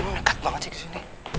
kamu nekat banget sih kesini